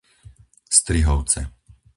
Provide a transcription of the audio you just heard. Strihovce